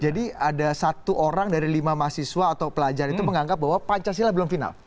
jadi ada satu orang dari lima mahasiswa atau pelajar itu menganggap bahwa pancasila belum final